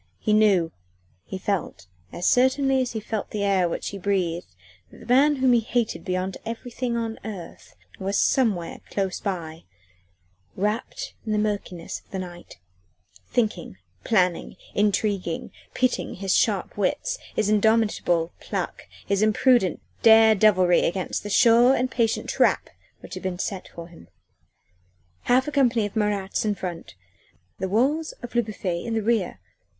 He knew he felt as certainly as he felt the air which he breathed, that the man whom he hated beyond everything on earth was somewhere close by, wrapped in the murkiness of the night thinking, planning, intriguing, pitting his sharp wits, his indomitable pluck, his impudent dare devilry against the sure and patient trap which had been set for him. Half a company of Marats in front the walls of Le Bouffay in the rear!